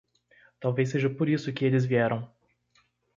Talvez seja por isso que eles vieram.